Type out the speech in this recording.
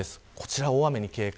こちら、大雨に警戒。